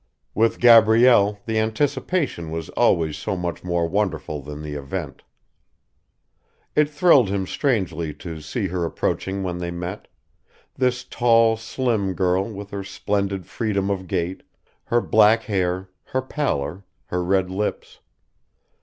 With Gabrielle the anticipation was always so much more wonderful than the event. It thrilled him strangely to see her approaching when they met: this tall slim girl with her splendid freedom of gait, her black hair, her pallor, her red lips.